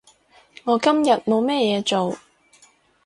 我今日冇咩嘢做